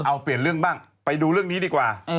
เอาเปลี่ยนเรื่องบ้างไปดูเรื่องนี้ดีกว่า